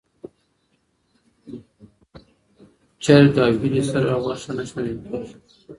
چرګ او هیلۍ سره غوښه نه شمېرل کېږي.